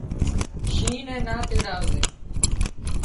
شينهن نين نا تيڙاوزي